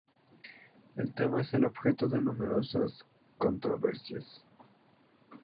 El tema es objeto de numerosas controversias.